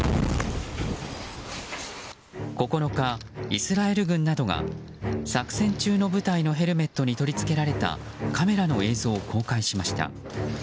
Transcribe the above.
９日、イスラエル軍などが作戦中の部隊のヘルメットに取り付けられたカメラの映像を公開しました。